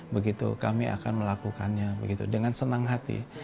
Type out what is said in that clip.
begitu kami akan melakukannya begitu dengan senang hati